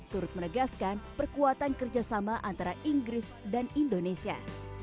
turut menegaskan perkuatan kerjasama antara inggris dan indonesia